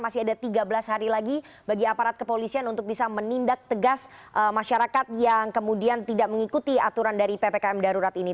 masih ada tiga belas hari lagi bagi aparat kepolisian untuk bisa menindak tegas masyarakat yang kemudian tidak mengikuti aturan dari ppkm darurat ini